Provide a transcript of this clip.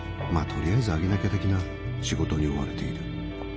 とりあえずあげなきゃ的な仕事に追われている。